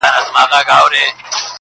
عاقل نه سوې چي مي څومره خوارۍ وکړې,